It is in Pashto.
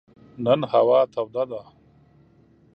نن هوا توده ده.